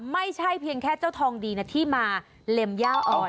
ไม่ใช่เพียงแค่เจ้าทองดีนะที่มาเล็มย่าอ่อน